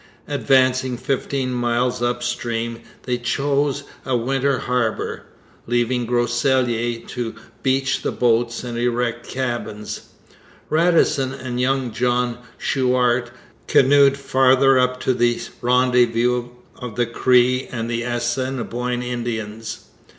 Advancing fifteen miles up stream, they chose a winter harbour. Leaving Groseilliers to beach the boats and erect cabins, Radisson and young Jean Chouart canoed farther up to the rendezvous of the Cree and Assiniboine Indians.